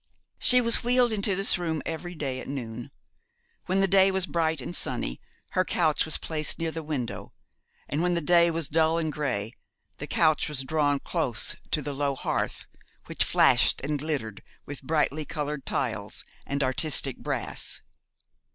She was wheeled into this room every day at noon. When the day was bright and sunny her couch was placed near the window: and when the day was dull and grey the couch was drawn close to the low hearth, which flashed and glittered with brightly coloured tiles and artistic brass.